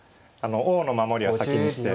王の守りは先にして。